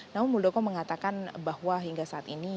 namun muldoko mengatakan bahwa hingga saat ini